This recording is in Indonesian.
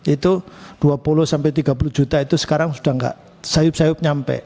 itu dua puluh sampai tiga puluh juta itu sekarang sudah tidak sayup sayup nyampe